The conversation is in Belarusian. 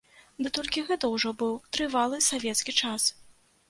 Ды толькі гэта ўжо быў трывалы савецкі час.